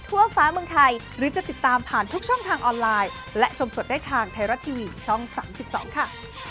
ทางไทรัตทีวีช่อง๓๒ค่ะ